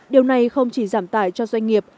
điều này không chỉ giảm tải cho doanh nghiệp